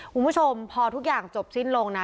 คุณผู้ชมพอทุกอย่างจบสิ้นลงนะ